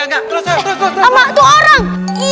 ndak mah itu orang